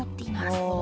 なるほど。